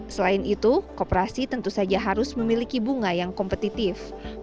selain itu kooperasi tentu saja harus memiliki bunga yang kompetitif